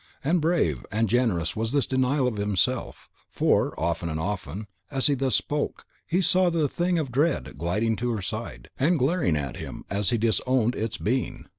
And brave and generous was this denial of himself; for, often and often, as he thus spoke, he saw the Thing of Dread gliding to her side, and glaring at him as he disowned its being.